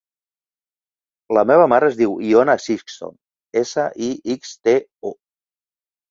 La meva mare es diu Iona Sixto: essa, i, ics, te, o.